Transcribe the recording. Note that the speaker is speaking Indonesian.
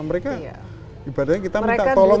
mereka ibaratnya kita minta tolong